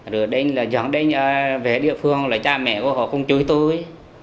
rồi dẫn đến về địa phương là cha mẹ của họ không chúi tôi